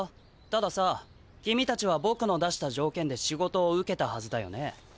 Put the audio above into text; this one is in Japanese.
たださ君たちはぼくの出したじょうけんで仕事を受けたはずだよね。